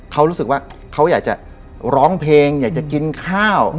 เขารู้สึกว่าเขาอยากจะร้องเพลงอยากจะกินข้าว